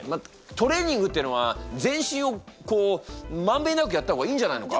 トレーニングっていうのは全身をこう満遍なくやった方がいいんじゃないのか？